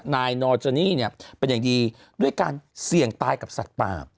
นายนอร์เจนี่เนี่ยเป็นอย่างดีด้วยการเสี่ยงตายกับสัตว์ป่า